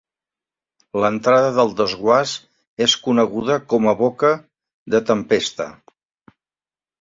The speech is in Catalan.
L'entrada del desguàs és coneguda com a boca de tempesta.